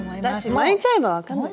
巻いちゃえば分かんない。